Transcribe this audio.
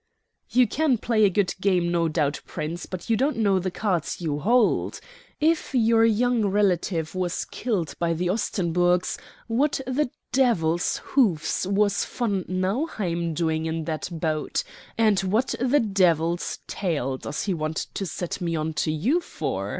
"You can play a good game, no doubt, Prince, but you don't know the cards you hold. If your young relative was killed by the Ostenburgs, what the devil's hoofs was von Nauheim doing in that boat? And what the devil's tail does he want to set me on to you for?